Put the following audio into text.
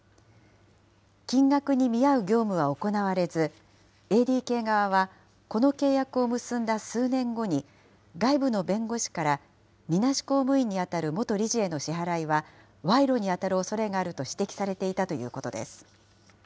金額に見合う業務は行われず、ＡＤＫ側はこの契約を結んだ数年後に、外部の弁護士から、みなし公務員に当たる元理事への支払いは賄賂に当たるおそれがあると指摘されていたということです。